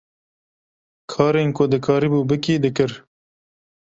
Karên ku dikarîbû bikî, dikir.